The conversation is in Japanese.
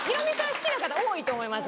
好きな方多いと思います。